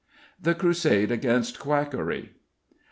THE CRUSADE AGAINST QUACKERY.